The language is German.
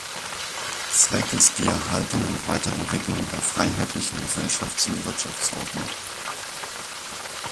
Zweck ist die Erhaltung und Weiterentwicklung der freiheitlichen Gesellschafts- und Wirtschaftsordnung.